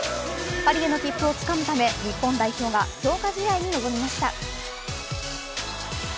パリへの切符をつかむため日本代表が強化試合に臨みました。